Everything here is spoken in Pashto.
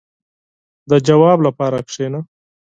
• د ځواب لپاره کښېنه.